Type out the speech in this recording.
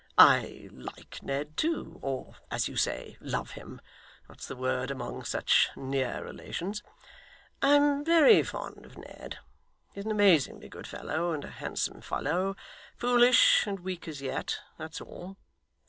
I like Ned too or, as you say, love him that's the word among such near relations. I'm very fond of Ned. He's an amazingly good fellow, and a handsome fellow foolish and weak as yet; that's all.